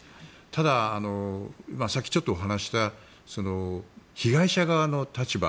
ただ、さっきちょっとお話した被害者側の立場